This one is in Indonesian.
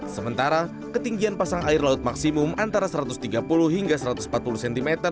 sementara ketinggian pasang air laut maksimum antara satu ratus tiga puluh hingga satu ratus empat puluh cm